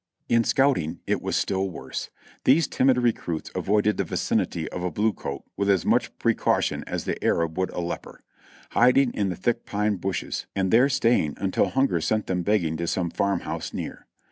In scouting it was still worse ; these timid recruits avoided the vicinity of a blue coat with as much precaution as the xA.rab would a leper — hiding in the thick pine bushes and there staying until hunger sent them begging to some farm house near.